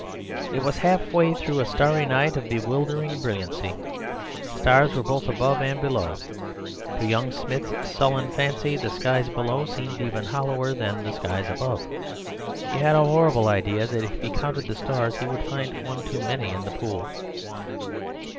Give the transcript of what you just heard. It was half way through a starry night of bewildering brilliancy; stars were both above and below. To young Smith's sullen fancy the skies below seemed even hollower than the skies above; he had a horrible idea that if he counted the stars he would find one too many in the pool.